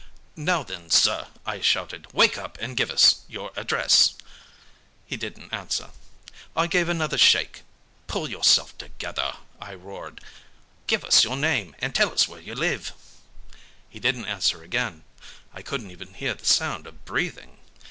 "'Now, then, sir,' I shouted. 'Wake up and give us your address.' "He didn't answer. "I gave another shake. 'Pull yourself together,' I roared. 'Give us your name, and tell us where you live.' "He didn't answer again. I couldn't even hear the sound of breathing.